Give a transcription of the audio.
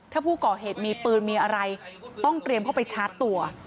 ถ้าผู้ก่อเหตุมีปืนมีอะไรต้องเตรียมเข้าไปชาร์จตัว